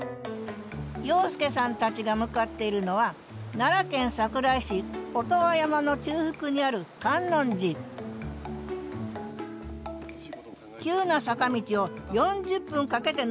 洋輔さんたちが向かっているのは奈良県桜井市音羽山の中腹にある観音寺急な坂道を４０分かけて上るんですって。